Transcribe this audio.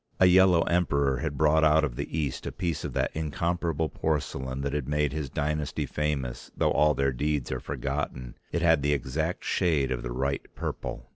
A yellow Emperor had brought out of the East a piece of that incomparable porcelain that had made his dynasty famous though all their deeds are forgotten, it had the exact shade of the right purple.